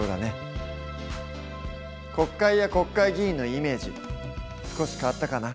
国会や国会議員のイメージ少し変わったかな？